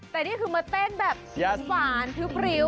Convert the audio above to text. แต่นี่คือมาเต้นแบบหวานทึบริ้ว